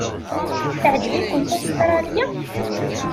Teɛjeb-ikent Ustṛalya?